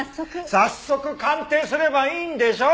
早速鑑定すればいいんでしょ？